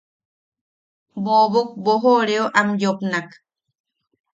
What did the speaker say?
Bobok boʼojooreo am yopnak: